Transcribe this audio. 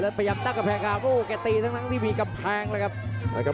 และพยายามตั้งกับแผงกระบูกแกะตีทั้งที่มีกำแพงเลยครับ